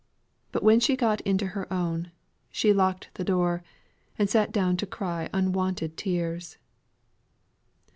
But when she got into her own, she locked the door, and sate down to cry unwonted tears.